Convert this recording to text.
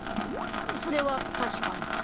それはたしかに。